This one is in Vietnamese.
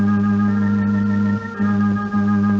năm sáu cao phá vui